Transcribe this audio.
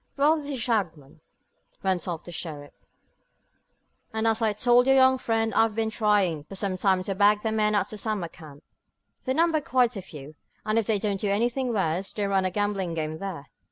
"Well, this is Shagmon," went on the sheriff, "and, as I told your young friend, I've been trying for some time to bag the men at the summer camp. They number quite a few, and if they don't do anything worse, they run a gambling game there.